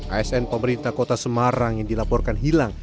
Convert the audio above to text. asn pemerintah kota semarang yang dilaporkan hilang